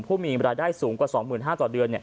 ผู้มีรายได้สูงกว่า๒๕๐๐ต่อเดือน